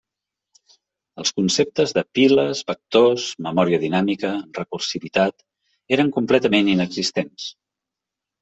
Els conceptes de piles, vectors, memòria dinàmica, recursivitat eren completament inexistents.